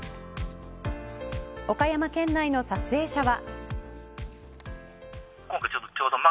岡山県内の撮影者は。